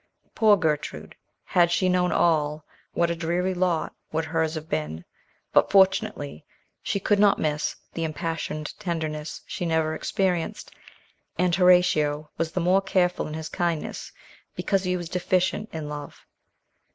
Poor Gertrude, had she known all, what a dreary lot would hers have been; but fortunately she could not miss the impassioned tenderness she never experienced; and Horatio was the more careful in his kindness, because he was deficient in love.